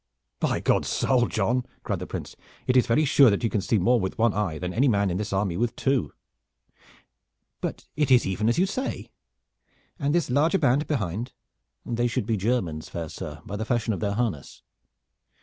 "By God's soul, John!" cried the Prince, "it is very sure that you can see more with one eye than any man in this army with two. But it is even as you say. And this larger band behind?" "They should be Germans, fair sir, by the fashion of their harness."